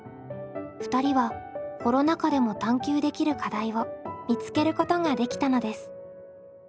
２人はコロナ禍でも探究できる課題を見つけることができたのです。